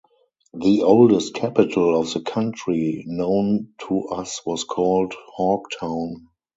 The oldest capital of the country known to us was called Hawktown.